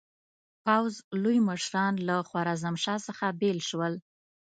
پوځ لوی مشران له خوارزمشاه څخه بېل شول.